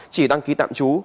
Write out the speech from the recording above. chỉ đăng ký tạm trú